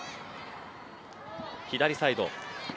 左サイド。